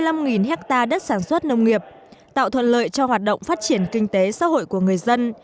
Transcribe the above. củ chi là một hectare đất sản xuất nông nghiệp tạo thuận lợi cho hoạt động phát triển kinh tế xã hội của người dân